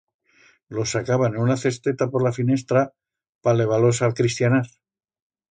Los sacaban en una cesta por la finestra pa levar-los a cristianar.